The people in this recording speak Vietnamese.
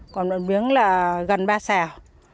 còn một miếng là gần ba xẻo